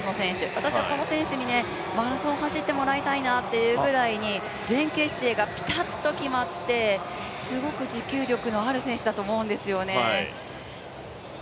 私はこの選手にマラソンを走ってもらいたいなっていうぐらいに前傾姿勢がぴたっと決まって、すごく持久力のある選手だと思うんですよね。